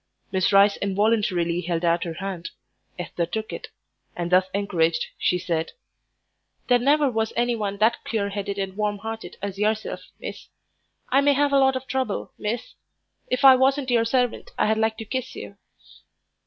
Miss Rice involuntarily held out her hand. Esther took it, and thus encouraged she said "There never was anyone that clear headed and warm hearted as yerself, miss. I may have a lot of trouble, miss.... If I wasn't yer servant I'd like to kiss you."